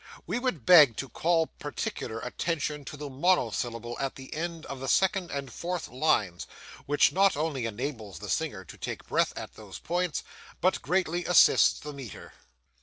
We would beg to call particular attention to the monosyllable at the end of the second and fourth lines, which not only enables the singer to take breath at those points, but greatly assists the metre.